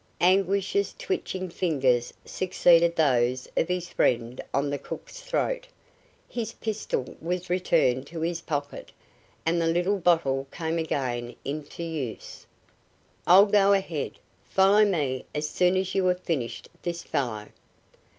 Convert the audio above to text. Anguish's twitching fingers succeeded those of his friend on the cook's throat, his pistol was returned to his pocket, and the little bottle came again into use. "I'll go ahead. Follow me as soon as you have finished this fellow.